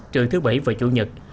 trời thứ bảy và chủ nhật